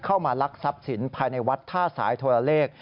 ลักทรัพย์สินภายในวัดท่าสายโทรเลข